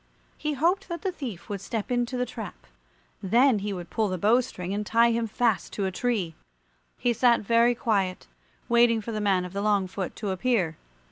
He hoped that the thief would step into the trap; then he would pull the bow string and tie him fast to a tree. He sat very quiet, waiting for the man of the long foot to appear.